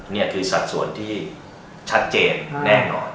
นี่คือสัดส่วนที่ชัดเจนแน่นอน